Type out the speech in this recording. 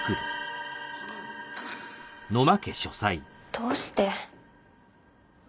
どうして？